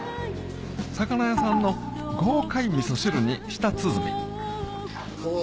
魚屋さんの豪快みそ汁に舌鼓フ